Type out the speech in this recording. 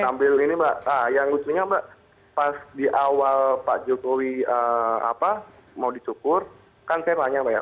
sambil ini mbak yang lucunya mbak pas di awal pak jokowi mau disukur kan saya nanya mbak ya